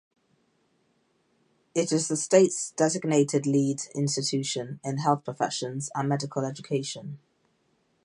It is the state's designated lead institution in health professions and medical education.